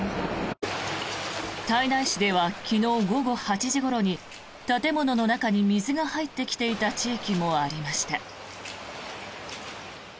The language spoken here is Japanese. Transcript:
胎内市では昨日午後８時ごろに建物の中に水が入ってきていた地域もありました。